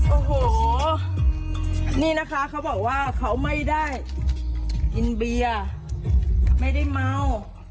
โอ้โหนี่นะคะเขาบอกว่าเขาไม่ได้กินเบียร์ไม่ได้เมา